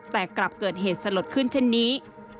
แต่กลับเกิดเหตุสลดขึ้นเช่นนี้